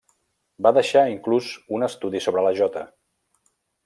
Va deixar inclús un estudi sobre la jota.